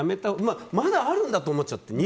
まだあるんだと思っちゃって。